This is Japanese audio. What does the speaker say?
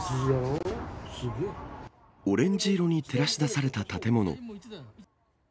オレンジ色に照らし出された建物。